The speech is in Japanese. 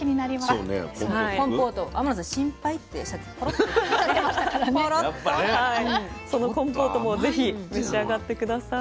そのコンポートもぜひ召し上がって下さい。